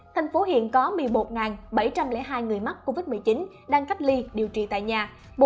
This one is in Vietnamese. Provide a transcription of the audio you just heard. tp hcm có một mươi một bảy trăm linh hai người mắc covid một mươi chín đang cách ly điều trị tại nhà